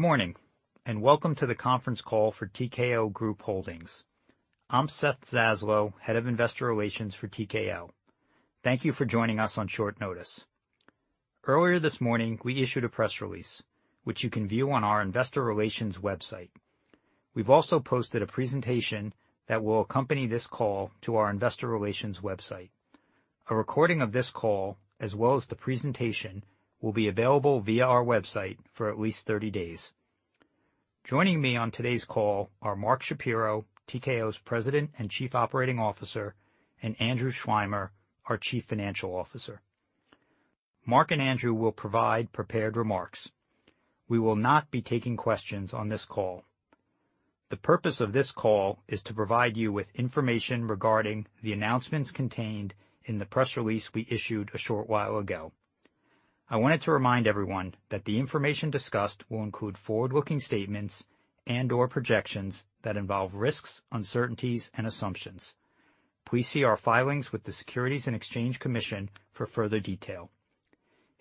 Good morning, and welcome to the conference call for TKO Group Holdings. I'm Seth Zaslow, Head of Investor Relations for TKO. Thank you for joining us on short notice. Earlier this morning, we issued a press release, which you can view on our investor relations website. We've also posted a presentation that will accompany this call to our investor relations website. A recording of this call, as well as the presentation, will be available via our website for at least thirty days. Joining me on today's call are Mark Shapiro, TKO's President and Chief Operating Officer, and Andrew Schleimer, our Chief Financial Officer. Mark and Andrew will provide prepared remarks. We will not be taking questions on this call. The purpose of this call is to provide you with information regarding the announcements contained in the press release we issued a short while ago. I wanted to remind everyone that the information discussed will include forward-looking statements and/or projections that involve risks, uncertainties, and assumptions. Please see our filings with the Securities and Exchange Commission for further detail.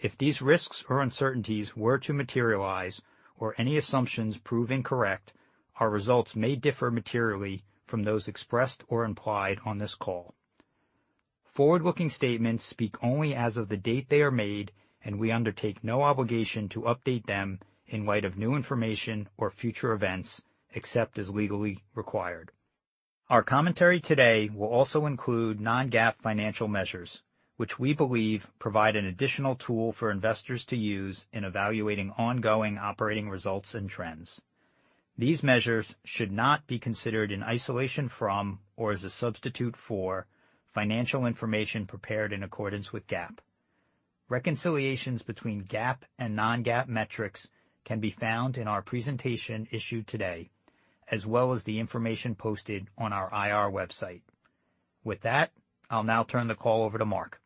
If these risks or uncertainties were to materialize or any assumptions prove incorrect, our results may differ materially from those expressed or implied on this call. Forward-looking statements speak only as of the date they are made, and we undertake no obligation to update them in light of new information or future events, except as legally required. Our commentary today will also include non-GAAP financial measures, which we believe provide an additional tool for investors to use in evaluating ongoing operating results and trends. These measures should not be considered in isolation from or as a substitute for financial information prepared in accordance with GAAP. Reconciliations between GAAP and non-GAAP metrics can be found in our presentation issued today, as well as the information posted on our IR website. With that, I'll now turn the call over to Mark.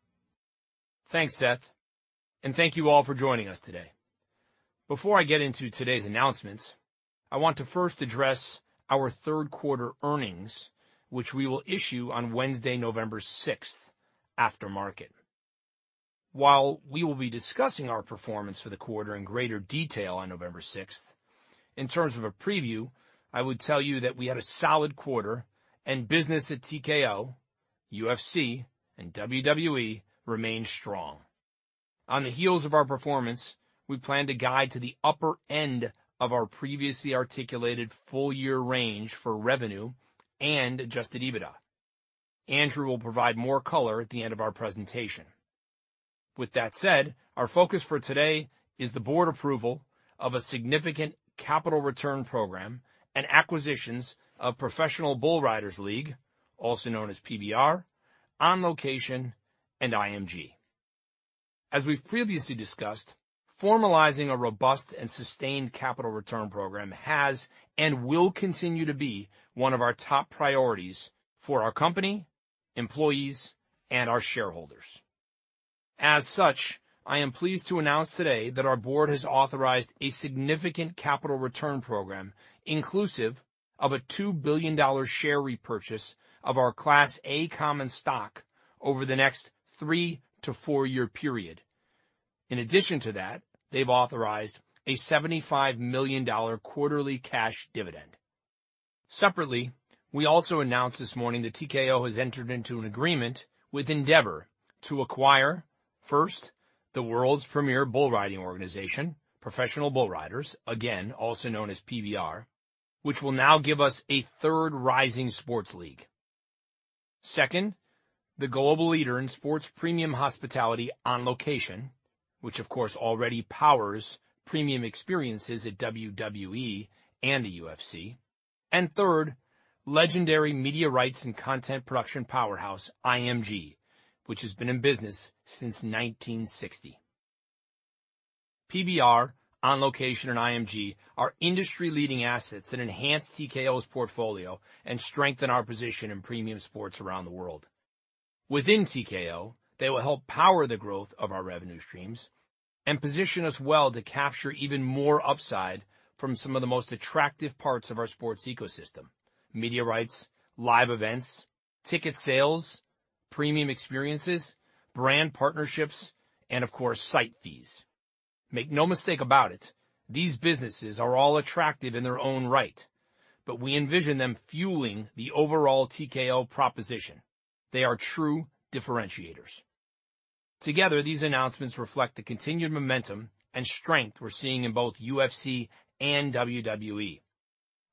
Thanks, Seth, and thank you all for joining us today. Before I get into today's announcements, I want to first address our third quarter earnings, which we will issue on Wednesday, November 6th, after market. While we will be discussing our performance for the quarter in greater detail on November 6th, in terms of a preview, I would tell you that we had a solid quarter, and business at TKO, UFC, and WWE remained strong. On the heels of our performance, we plan to guide to the upper end of our previously articulated full-year range for revenue and Adjusted EBITDA. Andrew will provide more color at the end of our presentation. With that said, our focus for today is the board approval of a significant capital return program and acquisitions of Professional Bull Riders, also known as PBR, On Location, and IMG. As we've previously discussed, formalizing a robust and sustained capital return program has and will continue to be one of our top priorities for our company, employees, and our shareholders. As such, I am pleased to announce today that our board has authorized a significant capital return program, inclusive of a $2 billion share repurchase of our Class A common stock over the next 3- to 4-year period. In addition to that, they've authorized a $75 million quarterly cash dividend. Separately, we also announced this morning that TKO has entered into an agreement with Endeavor to acquire, first, the world's premier bull riding organization, Professional Bull Riders, again, also known as PBR, which will now give us a third rising sports league. Second, the global leader in sports premium hospitality On Location, which of course, already powers premium experiences at WWE and the UFC. Third, legendary media rights and content production powerhouse, IMG, which has been in business since 1960. PBR, On Location, and IMG are industry-leading assets that enhance TKO's portfolio and strengthen our position in premium sports around the world. Within TKO, they will help power the growth of our revenue streams and position us well to capture even more upside from some of the most attractive parts of our sports ecosystem: media rights, live events, ticket sales, premium experiences, brand partnerships, and of course, site fees. Make no mistake about it, these businesses are all attractive in their own right, but we envision them fueling the overall TKO proposition. They are true differentiators. Together, these announcements reflect the continued momentum and strength we're seeing in both UFC and WWE.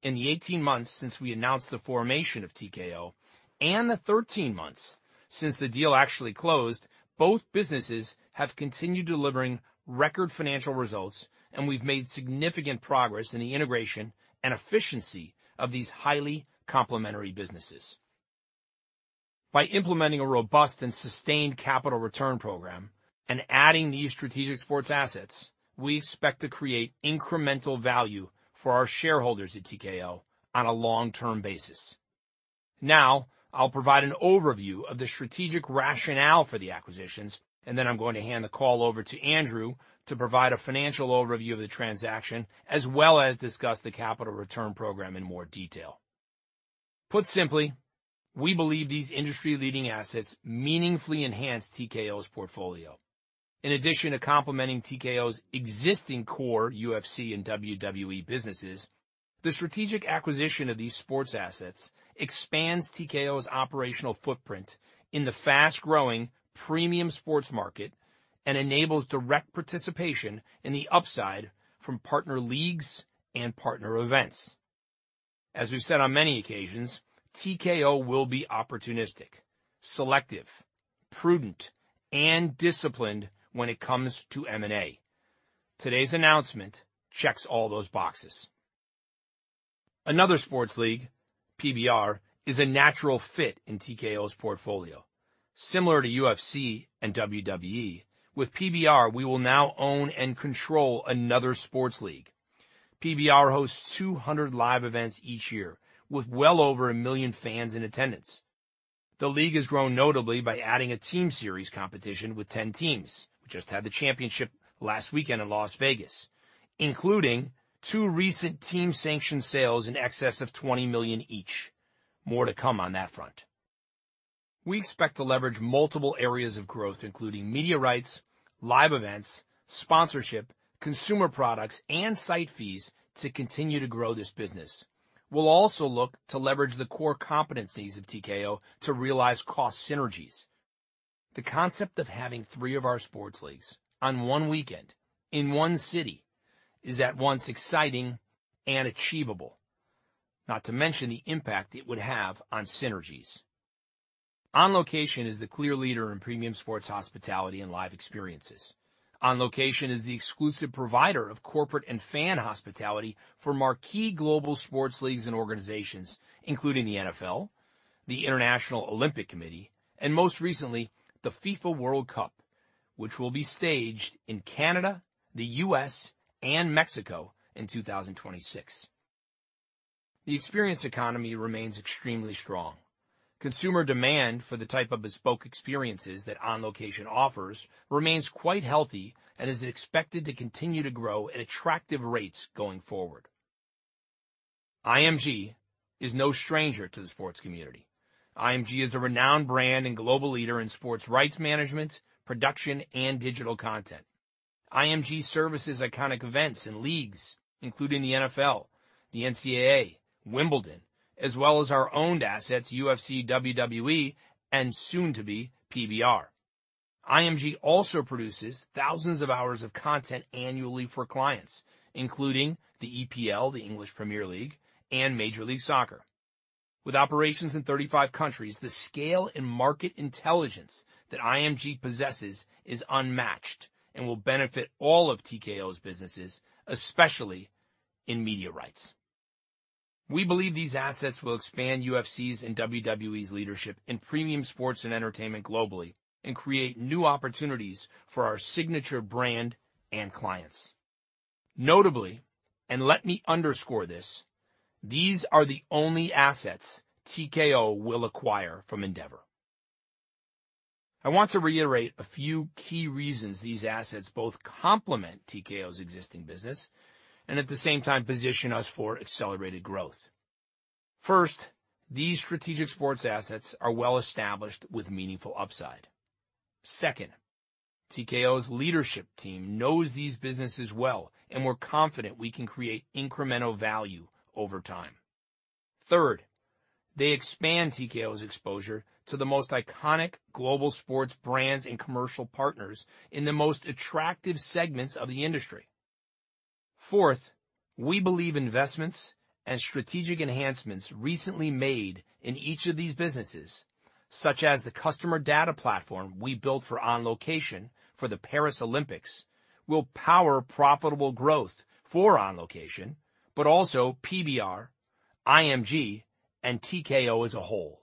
In the eighteen months since we announced the formation of TKO and the thirteen months since the deal actually closed, both businesses have continued delivering record financial results, and we've made significant progress in the integration and efficiency of these highly complementary businesses. By implementing a robust and sustained capital return program and adding these strategic sports assets, we expect to create incremental value for our shareholders at TKO on a long-term basis. Now, I'll provide an overview of the strategic rationale for the acquisitions, and then I'm going to hand the call over to Andrew to provide a financial overview of the transaction, as well as discuss the capital return program in more detail.... Put simply, we believe these industry-leading assets meaningfully enhance TKO's portfolio. In addition to complementing TKO's existing core UFC and WWE businesses, the strategic acquisition of these sports assets expands TKO's operational footprint in the fast-growing premium sports market and enables direct participation in the upside from partner leagues and partner events. As we've said on many occasions, TKO will be opportunistic, selective, prudent, and disciplined when it comes to M&A. Today's announcement checks all those boxes. Another sports league, PBR, is a natural fit in TKO's portfolio. Similar to UFC and WWE, with PBR, we will now own and control another sports league. PBR hosts 200 live events each year, with well over 1 million fans in attendance. The league has grown notably by adding a team series competition with 10 teams, just had the championship last weekend in Las Vegas, including two recent team sanction sales in excess of $20 million each. More to come on that front. We expect to leverage multiple areas of growth, including media rights, live events, sponsorship, consumer products, and site fees to continue to grow this business. We'll also look to leverage the core competencies of TKO to realize cost synergies. The concept of having three of our sports leagues on one weekend in one city is at once exciting and achievable, not to mention the impact it would have on synergies. On Location is the clear leader in premium sports hospitality and live experiences. On Location is the exclusive provider of corporate and fan hospitality for marquee global sports leagues and organizations, including the NFL, the International Olympic Committee, and most recently, the FIFA World Cup, which will be staged in Canada, the US, and Mexico in 2026. The experience economy remains extremely strong. Consumer demand for the type of bespoke experiences that On Location offers remains quite healthy and is expected to continue to grow at attractive rates going forward. IMG is no stranger to the sports community. IMG is a renowned brand and global leader in sports rights management, production, and digital content. IMG services iconic events and leagues, including the NFL, the NCAA, Wimbledon, as well as our owned assets, UFC, WWE, and soon to be PBR. IMG also produces thousands of hours of content annually for clients, including the EPL, the English Premier League, and Major League Soccer. With operations in 35 countries, the scale and market intelligence that IMG possesses is unmatched and will benefit all of TKO's businesses, especially in media rights. We believe these assets will expand UFC's and WWE's leadership in premium sports and entertainment globally and create new opportunities for our signature brand and clients. Notably, and let me underscore this, these are the only assets TKO will acquire from Endeavor. I want to reiterate a few key reasons these assets both complement TKO's existing business and at the same time, position us for accelerated growth. First, these strategic sports assets are well-established with meaningful upside. Second, TKO's leadership team knows these businesses well, and we're confident we can create incremental value over time. Third, they expand TKO's exposure to the most iconic global sports brands and commercial partners in the most attractive segments of the industry. Fourth, we believe investments and strategic enhancements recently made in each of these businesses, such as the customer data platform we built for On Location for the Paris Olympics, will power profitable growth for On Location, but also PBR, IMG, and TKO as a whole.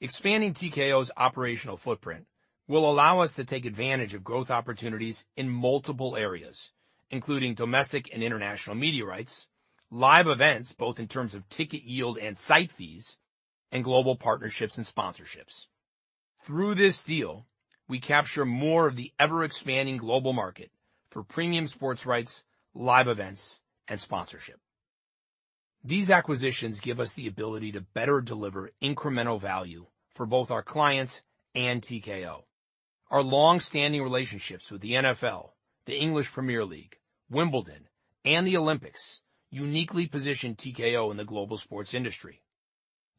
Expanding TKO's operational footprint will allow us to take advantage of growth opportunities in multiple areas, including domestic and international media rights, live events, both in terms of ticket yield and site fees, and global partnerships and sponsorships. Through this deal, we capture more of the ever-expanding global market for premium sports rights, live events, and sponsorship. These acquisitions give us the ability to better deliver incremental value for both our clients and TKO. Our long-standing relationships with the NFL, the English Premier League, Wimbledon, and the Olympics uniquely position TKO in the global sports industry.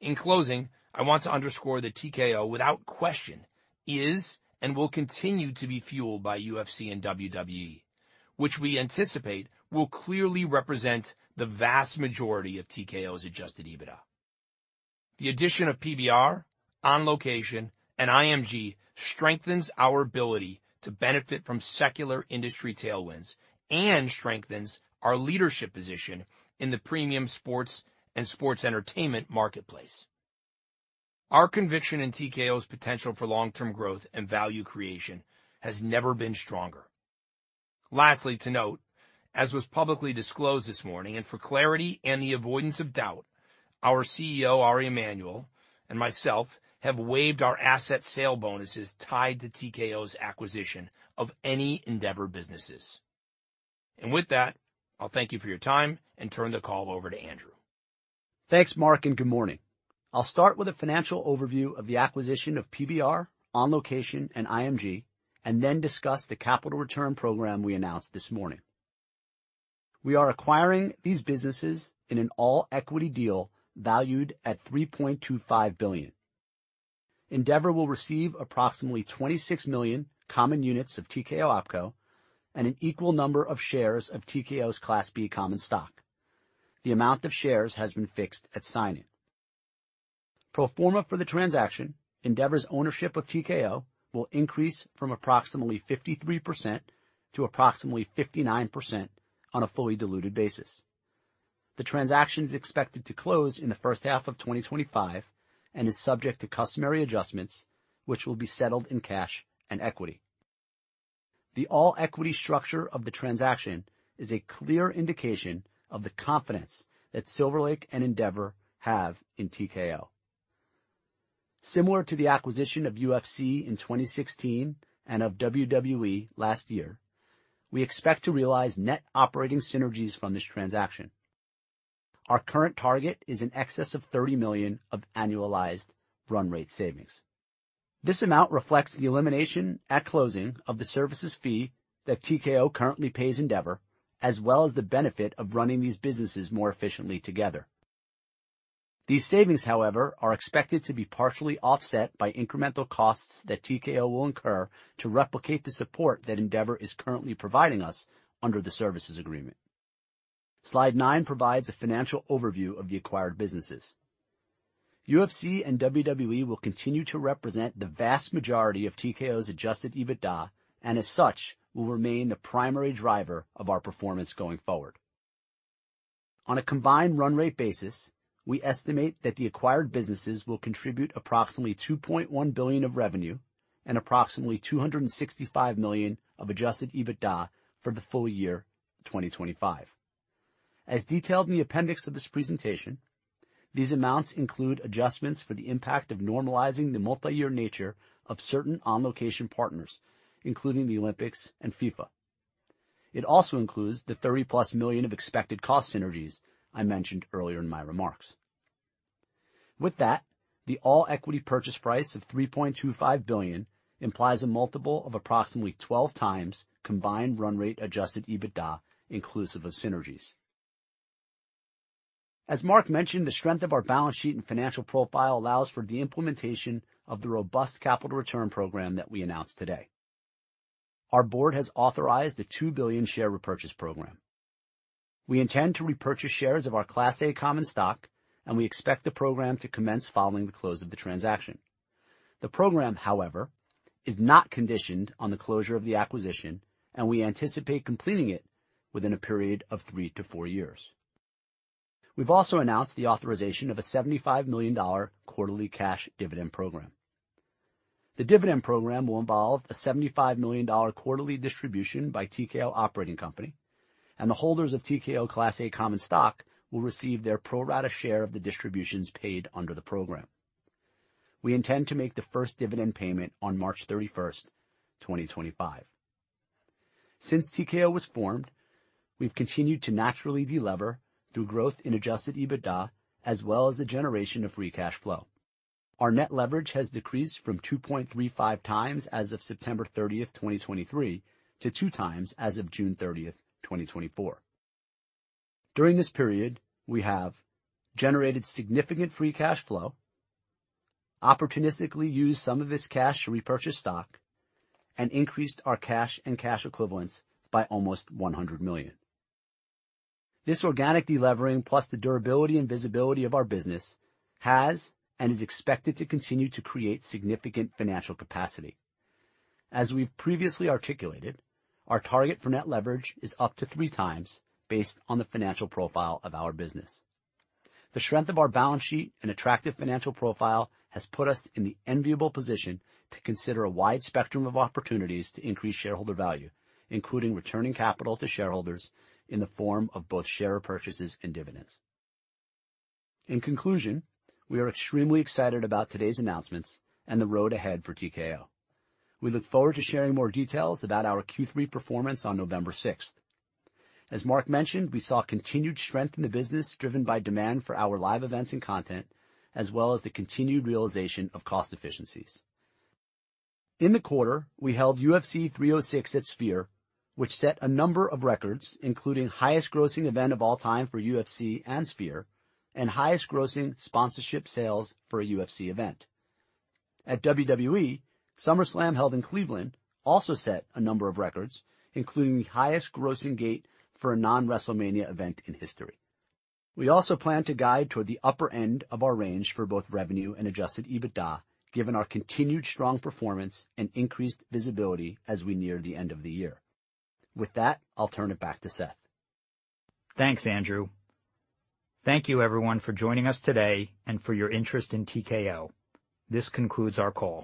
In closing, I want to underscore that TKO, without question, is and will continue to be fueled by UFC and WWE, which we anticipate will clearly represent the vast majority of TKO's Adjusted EBITDA. The addition of PBR, On Location, and IMG strengthens our ability to benefit from secular industry tailwinds and strengthens our leadership position in the premium sports and sports entertainment marketplace. Our conviction in TKO's potential for long-term growth and value creation has never been stronger. Lastly, to note, as was publicly disclosed this morning, and for clarity and the avoidance of doubt, our CEO, Ari Emanuel, and myself have waived our asset sale bonuses tied to TKO's acquisition of any Endeavor businesses. ...And with that, I'll thank you for your time and turn the call over to Andrew. Thanks, Mark, and good morning. I'll start with a financial overview of the acquisition of PBR, On Location, and IMG, and then discuss the capital return program we announced this morning. We are acquiring these businesses in an all-equity deal valued at $3.25 billion. Endeavor will receive approximately 26 million common units of TKO OpCo and an equal number of shares of TKO's Class B common stock. The amount of shares has been fixed at signing. Pro forma for the transaction, Endeavor's ownership of TKO will increase from approximately 53% to approximately 59% on a fully diluted basis. The transaction is expected to close in the first half of 2025 and is subject to customary adjustments, which will be settled in cash and equity. The all-equity structure of the transaction is a clear indication of the confidence that Silver Lake and Endeavor have in TKO. Similar to the acquisition of UFC in 2016 and of WWE last year, we expect to realize net operating synergies from this transaction. Our current target is in excess of $30 million of annualized run rate savings. This amount reflects the elimination at closing of the services fee that TKO currently pays Endeavor, as well as the benefit of running these businesses more efficiently together. These savings, however, are expected to be partially offset by incremental costs that TKO will incur to replicate the support that Endeavor is currently providing us under the services agreement. Slide 9 provides a financial overview of the acquired businesses. UFC and WWE will continue to represent the vast majority of TKO's Adjusted EBITDA, and as such, will remain the primary driver of our performance going forward. On a combined run rate basis, we estimate that the acquired businesses will contribute approximately $2.1 billion of revenue and approximately $265 million of Adjusted EBITDA for the full year 2025. As detailed in the appendix of this presentation, these amounts include adjustments for the impact of normalizing the multi-year nature of certain On Location partners, including the Olympics and FIFA. It also includes the $30-plus million of expected cost synergies I mentioned earlier in my remarks. With that, the all-equity purchase price of $3.25 billion implies a multiple of approximately 12 times combined run rate Adjusted EBITDA, inclusive of synergies. As Mark mentioned, the strength of our balance sheet and financial profile allows for the implementation of the robust capital return program that we announced today. Our board has authorized a $2 billion share repurchase program. We intend to repurchase shares of our Class A Common Stock, and we expect the program to commence following the close of the transaction. The program, however, is not conditioned on the closure of the acquisition, and we anticipate completing it within a period of three to four years. We've also announced the authorization of a $75 million quarterly cash dividend program. The dividend program will involve a $75 million quarterly distribution by TKO Operating Company, and the holders of TKO Class A Common Stock will receive their pro rata share of the distributions paid under the program. We intend to make the first dividend payment on March 31st, 2025. Since TKO was formed, we've continued to naturally delever through growth in Adjusted EBITDA, as well as the generation of Free Cash Flow. Our Net Leverage has decreased from 2.35 times as of September thirtieth, twenty twenty-three, to 2 times as of June thirtieth, twenty twenty-four. During this period, we have generated significant Free Cash Flow, opportunistically used some of this cash to repurchase stock, and increased our cash and cash equivalents by almost $100 million. This organic delevering, plus the durability and visibility of our business, has and is expected to continue to create significant financial capacity. As we've previously articulated, our target for Net Leverage is up to 3 times based on the financial profile of our business. The strength of our balance sheet and attractive financial profile has put us in the enviable position to consider a wide spectrum of opportunities to increase shareholder value, including returning capital to shareholders in the form of both share purchases and dividends. In conclusion, we are extremely excited about today's announcements and the road ahead for TKO. We look forward to sharing more details about our Q3 performance on November sixth. As Mark mentioned, we saw continued strength in the business, driven by demand for our live events and content, as well as the continued realization of cost efficiencies. In the quarter, we held UFC 306 at Sphere, which set a number of records, including highest grossing event of all time for UFC and Sphere, and highest grossing sponsorship sales for a UFC event. At WWE, SummerSlam, held in Cleveland, also set a number of records, including the highest grossing gate for a non-WrestleMania event in history. We also plan to guide toward the upper end of our range for both revenue and Adjusted EBITDA, given our continued strong performance and increased visibility as we near the end of the year. With that, I'll turn it back to Seth. Thanks, Andrew. Thank you, everyone, for joining us today and for your interest in TKO. This concludes our call.